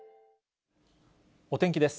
お天気です。